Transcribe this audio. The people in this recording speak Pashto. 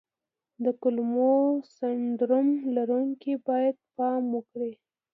د کولمو سنډروم لرونکي باید پام وکړي.